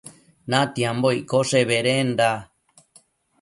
Natiambo iccoshe bedenda